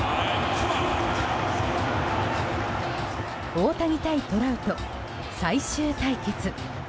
大谷対トラウト、最終対決。